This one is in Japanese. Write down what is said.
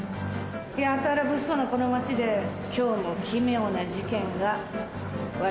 やたら物騒なこの街で今日も奇妙な事件が私を待ってる。